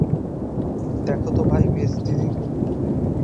দেখো তো ভাই মেজদিদি!